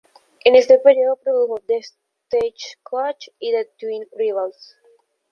En este período produjo: "The Stage Coach" y "The Twin Rivals".